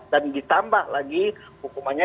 dan ditambah lagi hukumannya